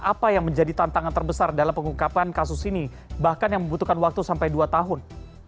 apa yang menjadi tantangan terbesar dalam pengungkapan kasus ini bahkan yang membutuhkan waktu sampai dua tahun